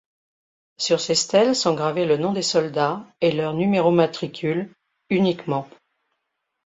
Sur ces stèles sont gravés le nom des soldats et leur numéro matricule uniquement.